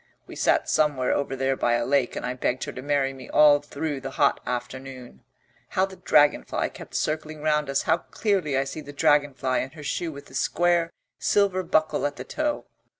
"We sat somewhere over there by a lake and I begged her to marry me all through the hot afternoon. How the dragonfly kept circling round us: how clearly I see the dragonfly and her shoe with the square silver buckle at the toe.